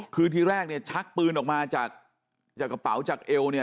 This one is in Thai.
คือทีแรกเนี่ยชักปืนออกมาจากกระเป๋าจากเอวเนี่ย